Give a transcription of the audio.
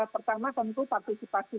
pertama tentu partisipasi